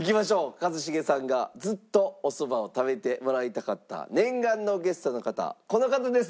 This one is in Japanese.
一茂さんがずっとおそばを食べてもらいたかった念願のゲストの方この方です。